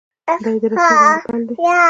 دا یې د رسمي دندې پیل دی.